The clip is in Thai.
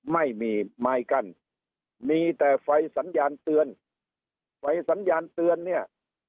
ไม่มีไม้กั้นมีแต่ไฟสัญญาณเตือนไฟสัญญาณเตือนเนี่ย